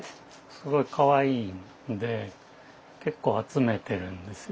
すごいかわいいんで結構集めてるんですよ。